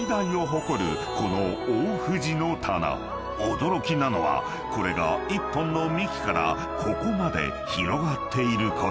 ［驚きなのはこれが１本の幹からここまで広がっていること］